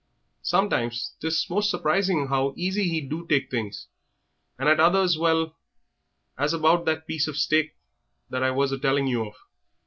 Sometimes 'tis most surprising how easy 'e do take things, and at others well, as about that piece of steak that I was a telling you of.